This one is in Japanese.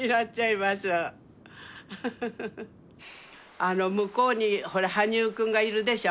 あの向こうにほら羽生君がいるでしょ。